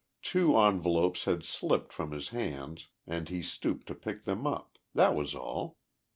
Two envelopes had slipped from his hands and he stooped to pick them up that was all.